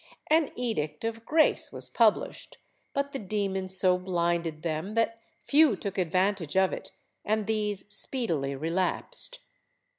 An Edict of Grace was pub lished, but the demon so blinded them that few took advantage of it, and these speedily relapsed.